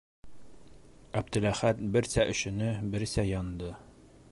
Әптеләхәт берсә өшөнө, берсә янды.